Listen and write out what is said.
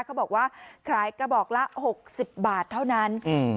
เขาบอกว่าขายกระบอกละหกสิบบาทเท่านั้น